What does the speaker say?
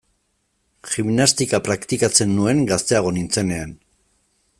Gimnastika praktikatzen nuen gazteago nintzenean.